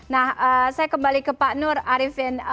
nah saya kembali ke pak nur arifin